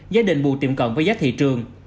giấy định bù tiệm cận với giá thị trường